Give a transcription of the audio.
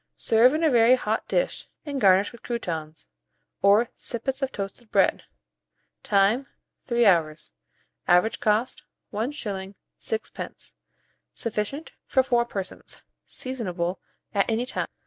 Serve in a very hot dish, and garnish with croûtons, or sippets of toasted bread. Time. 3 hours. Average cost, 1s. 6d. Sufficient for 4 persons. Seasonable at any time.